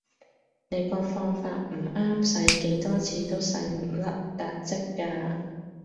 你個放法唔啱洗幾多次都洗唔甩撻漬架